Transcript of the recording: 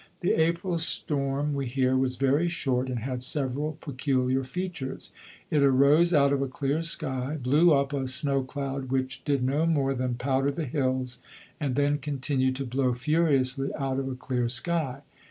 The April storm, we hear, was very short and had several peculiar features. It arose out of a clear sky, blew up a snow cloud which did no more than powder the hills, and then continued to blow furiously out of a clear sky.